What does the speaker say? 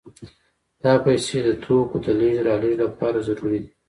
دا پیسې د توکو د لېږد رالېږد لپاره ضروري دي